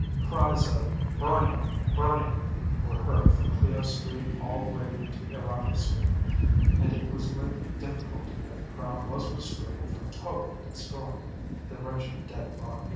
Cries of "Burn him! Burn him!" were heard from Clio Street all the way to Erato Street, and it was with difficulty that the crowd was restrained from totally destroying the wretched dead body.